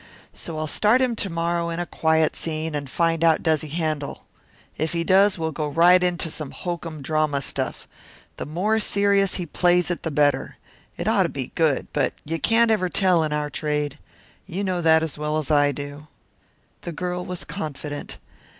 So I'll start him to morrow in a quiet scene, and find out does he handle. If he does, we'll go right into some hokum drama stuff. The more serious he plays it the better. It ought to be good, but you can't ever tell in our trade. You know that as well as I do." The girl was confident.